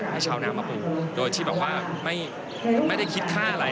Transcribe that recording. ให้ชาวนามาปลูกโดยที่แบบว่าไม่ได้คิดค่าอะไร